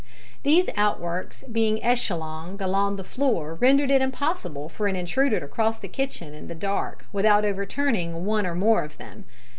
These outworks being echelloned along the floor rendered it impossible for an intruder to cross the kitchen in the dark without overturning one or more of them.